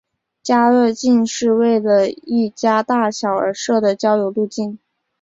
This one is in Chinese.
家乐径是为了一家大小而设的郊游路径。